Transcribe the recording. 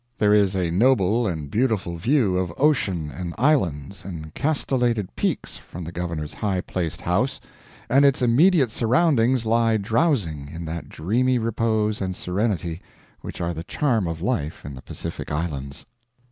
There is a noble and beautiful view of ocean and islands and castellated peaks from the governor's high placed house, and its immediate surroundings lie drowsing in that dreamy repose and serenity which are the charm of life in the Pacific Islands.